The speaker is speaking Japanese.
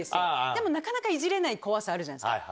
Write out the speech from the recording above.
でもなかなかいじれない怖さあるじゃないですか。